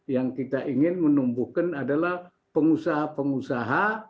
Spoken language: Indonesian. yang kita ingin menumbuhkan adalah pengusaha pengusaha